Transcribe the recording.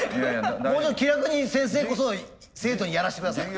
もうちょっと気楽に先生こそ生徒にやらせて下さい。